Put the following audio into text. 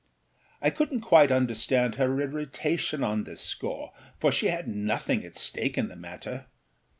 I couldnât quite understand her irritation on this score, for she had nothing at stake in the matter.